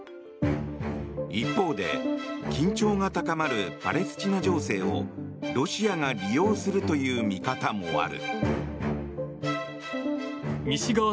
一方で緊張が高まるパレスチナ情勢をロシアが利用するという見方もある。